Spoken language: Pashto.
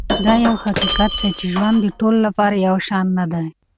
دا یو حقیقت دی چې ژوند د ټولو لپاره یو شان نه دی.